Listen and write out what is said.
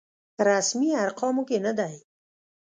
رسمي ارقامو کې نه دی.